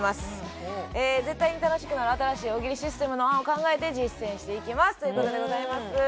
絶対に楽しくなる新しい大喜利システムの案を考えて実践していきますという事でございます。